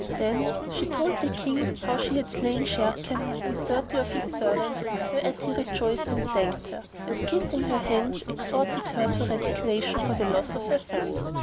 Then she told the King how she had slain Sharrkan and thirty of his servants, whereat he rejoiced and thanked her; and, kissing her hands, exhorted her to resignation for the loss of her son.